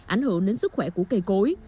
ảnh hưởng đến sức khỏe của cây cối